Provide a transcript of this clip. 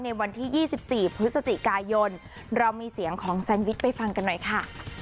ในวันที่๒๔พฤศจิกายนเรามีเสียงของแซนวิชไปฟังกันหน่อยค่ะ